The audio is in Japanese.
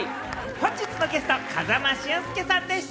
本日のゲスト、風間俊介さんでした。